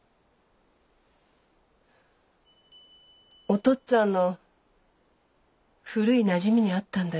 お父っつぁんの古いなじみに会ったんだよ。